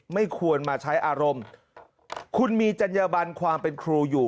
ไม่ควรมาใช้อารมณ์คุณมีจัญญบันความเป็นครูอยู่